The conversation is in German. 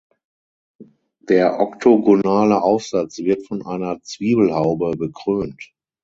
Der oktogonale Aufsatz wird von einer Zwiebelhaube bekrönt.